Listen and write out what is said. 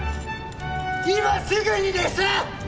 今すぐにです！